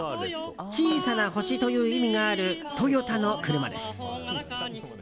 小さな星という意味があるトヨタの車です。